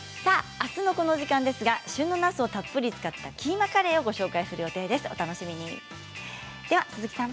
あすは旬のなすをたっぷり使ったキーマカレーをご紹介する予定です。